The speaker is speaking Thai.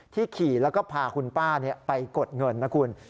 ขี่แล้วก็พาคุณป้าไปกดเงินนะคุณ